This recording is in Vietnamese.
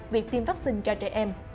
việc tiêm vaccine cho trẻ em